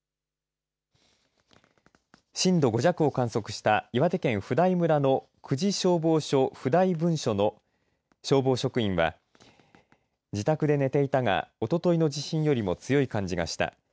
震度５弱を観測した岩手県普代村の久慈消防署普代分署の消防職員は自宅で寝ていたが、おとといの地震よりも強い感じがした。